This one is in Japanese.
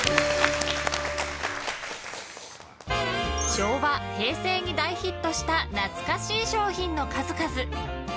昭和、平成に大ヒットした懐かしい商品の数々。